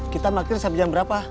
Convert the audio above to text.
kita makir sampai jam berapa